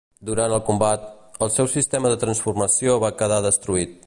Durant el combat, el seu sistema de transformació va quedar destruït.